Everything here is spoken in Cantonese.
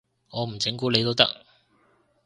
我唔整蠱你都得